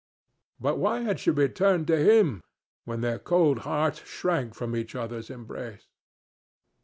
But why had she returned to him when their cold hearts shrank from each other's embrace?